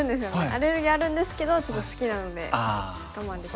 アレルギーあるんですけどちょっと好きなので我慢できる。